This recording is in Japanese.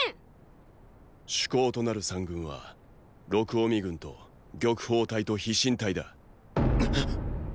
主攻となる三軍は録嗚未軍と玉鳳隊と飛信隊だ。